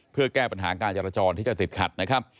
เพื่อแก้ปัญหาการจราจรที่จะติดขัดนะครับ